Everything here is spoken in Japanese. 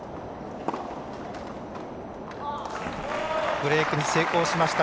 ブレークに成功しました。